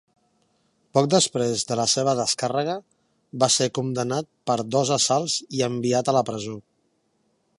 Poc després de la seva descàrrega, va ser condemnat per dos assalts i enviat a la presó.